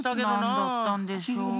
なんだったんでしょう。